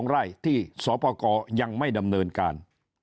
ไร่ที่สปกรยังไม่ดำเนินการ